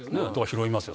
拾いますよ